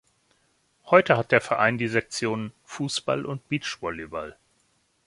Heute hat der Verein die Sektionen: Fußball und Beachvolleyball.